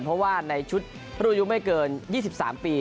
เพราะว่าในชุดรุ่นอายุไม่เกิน๒๓ปี